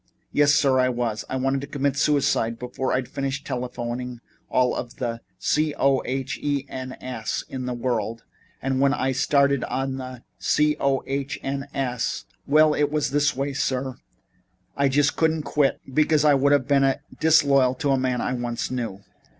"Yes, sir, I was. I wanted to commit suicide before I'd finished telephoning all the C o h e n s in the world. And when I started on the C o h n s well, it's this way, sir. I just couldn't quit because that would have been disloyal to a man I once knew."